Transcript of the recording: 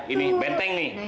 ini benteng nih